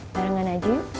barengan aja yuk